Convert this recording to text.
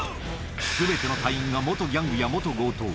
すべての隊員が元ギャングや元強盗。